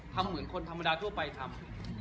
เหมือนคนธรรมดาทั่วไปทำ